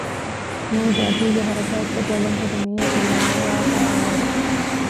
މޫދުއަޑީގެ ހަރަކާތްތައް ބަލަން ހުރި މީހަކު މޮޔަވާހާވަރު